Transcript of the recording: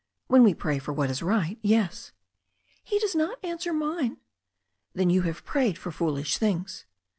"When we pray for what is right, yes." "He does not answer mine." "Then you have prayed for foolish things."